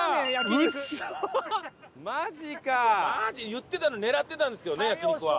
言ってた狙ってたんですけどね焼肉は。